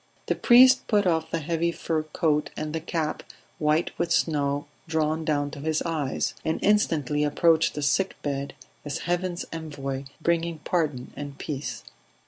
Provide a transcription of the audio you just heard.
The priest put off the heavy fur coat and the cap white with snow drawn down to his eyes, and instantly approached the sick bed as heaven's envoy bringing pardon and peace.